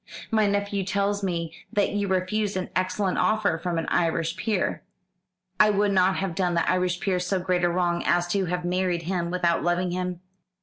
"My nephew tells me that you refused an excellent offer from an Irish peer." "I would not have done the Irish peer so great a wrong as to have married him without loving him."